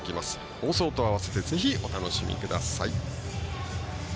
放送とあわせてぜひお楽しみください。